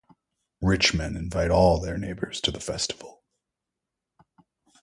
Rich men invite all their neighbors to the festival.